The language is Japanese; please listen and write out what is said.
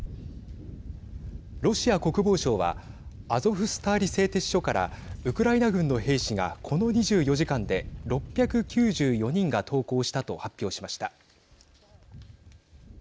ロシア国防省はアゾフスターリ製鉄所からウクライナ軍の兵士がこの２４時間で６９４人が投降したと発表しました。